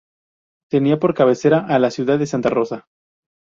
Tenía por cabecera a la ciudad de Santa Rosa.